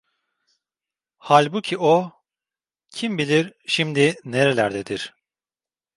Halbuki o… Kim bilir şimdi nerelerdedir?